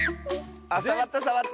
あっさわったさわった。